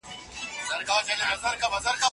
اړین ماخذونه له پامه نه غورځول کېږي.